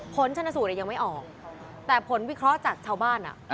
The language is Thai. ผลชนสูตรยังไม่ออกแต่ผลวิเคราะห์จากชาวบ้าน